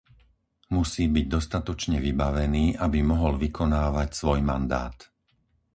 Musí byť dostatočne vybavený, aby mohol vykonávať svoj mandát.